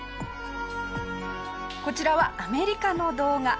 こちらはアメリカの動画。